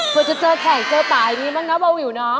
เผื่อจะเจอแขกเจอตายอย่างนี้บ้างนะบอวิวน้อง